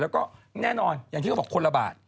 แล้วก็แน่นอนอย่างที่เขาบอกคนละบาท